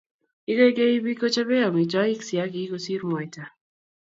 ikeikei biik kochobe amitwogik siagik kosir mwaita